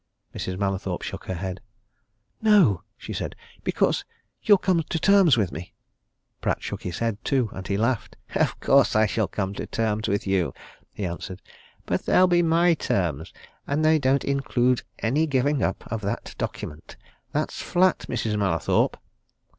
Mrs. Mallathorpe shook her head. "No!" she said. "Because you'll come to terms with me." Pratt shook his head, too, and he laughed. "Of course I shall come to terms with you," he answered. "But they'll be my terms and they don't include any giving up of that document. That's flat, Mrs. Mallathorpe!"